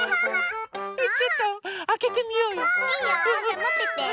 ⁉ちょっとあけてみようよ。